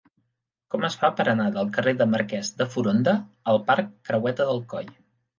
Com es fa per anar del carrer del Marquès de Foronda al parc Creueta del Coll?